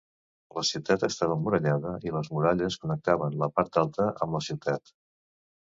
La ciutat estava emmurallada i les muralles connectaven la part alta amb la ciutat.